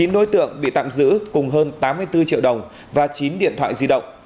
chín đối tượng bị tạm giữ cùng hơn tám mươi bốn triệu đồng và chín điện thoại di động